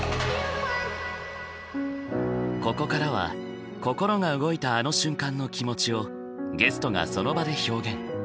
ここからは心が動いたあの瞬間の気持ちをゲストがその場で表現。